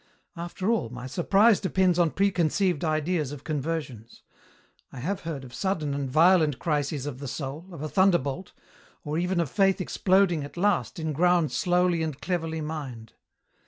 " After all, my surprise depends on preconceived ideas of conversions. I have heard of sudden and violent crises of the soul, of a thunderbolt, or even of faith exploding at last in ground slowly and cleverly mined.